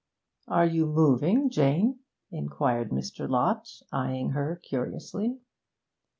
'Are you moving, Jane?' inquired Mr. Lott, eyeing her curiously.